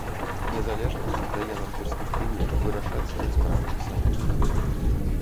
Незалежнасць дае нам перспектыву вырашаць свае справы самім.